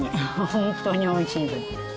本当に美味しいです。